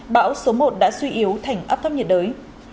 bão số một đã suy yếu thành áp thấp nhiệt đới